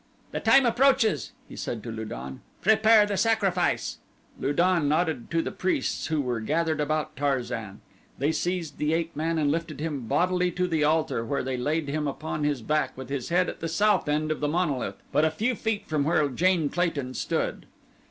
"The time approaches," he said to Lu don. "Prepare the sacrifice." Lu don nodded to the priests who were gathered about Tarzan. They seized the ape man and lifted him bodily to the altar where they laid him upon his back with his head at the south end of the monolith, but a few feet from where Jane Clayton stood.